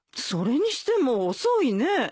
それにしても遅いね。